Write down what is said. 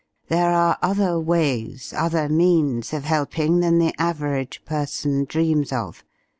There are other ways, other means of helping than the average person dreams of.